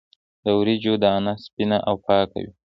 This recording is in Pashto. د وریجو دانه سپینه او پاکه وي.